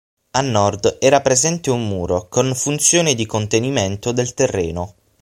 A nord era presente un muro con funzione di contenimento del terreno.